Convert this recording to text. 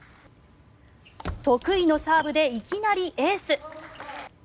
得意のサーブでいきなりエース。